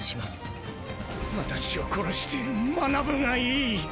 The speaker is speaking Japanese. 私を殺して学ぶがいい！！